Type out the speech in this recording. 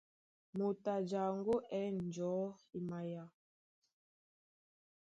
Moto a jaŋgó á ɛ̂n njɔ̌ e maya.